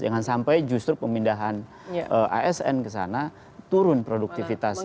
jangan sampai justru pemindahan asn ke sana turun produktivitasnya